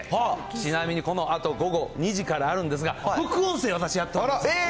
ちなみにこのあと午後２時からあるんですが、副音声、私がやっております。